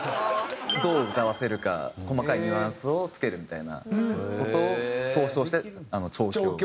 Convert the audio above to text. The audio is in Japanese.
どう歌わせるか細かいニュアンスを付けるみたいな事を総称して「調教」って。